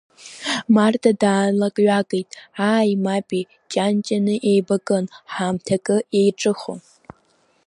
Марҭа даалакҩакит, ааии мапи ҷанҷаны еибакын, ҳамҭакы еиҿыхон…